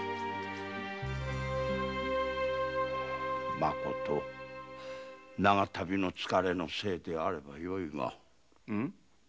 まこと長旅の疲れのせいであればよいが。ん？